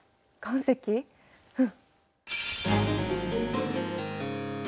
うん！